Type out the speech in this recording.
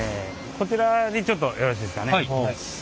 こちらにちょっとよろしいですかね。